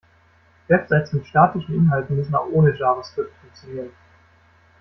Websites mit statischen Inhalten müssen auch ohne Javascript funktionieren.